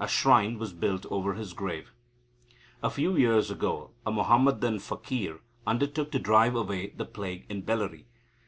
A shrine was built over his grave. A few years ago, a Muhammadan fakir undertook to drive away the plague in Bellary.